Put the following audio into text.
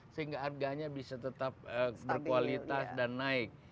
sehingga harganya bisa tetap berkualitas dan naik